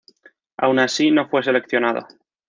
Aun así, no fue seleccionado.